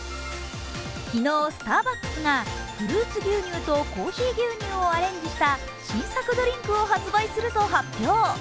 昨日、スターバックスコーヒーがフルーツ牛乳とコーヒー牛乳をアレンジした新作ドリンクを発売すると発表。